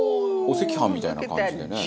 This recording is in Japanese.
「お赤飯みたいな感じでね」